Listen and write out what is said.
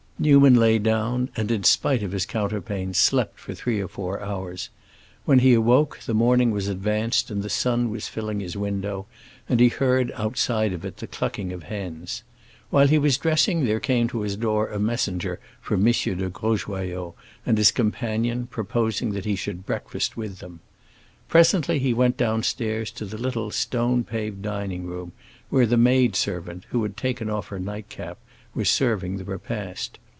Newman lay down, and, in spite of his counterpane, slept for three or four hours. When he awoke, the morning was advanced and the sun was filling his window, and he heard, outside of it, the clucking of hens. While he was dressing there came to his door a messenger from M. de Grosjoyaux and his companion proposing that he should breakfast with them. Presently he went downstairs to the little stone paved dining room, where the maid servant, who had taken off her night cap, was serving the repast.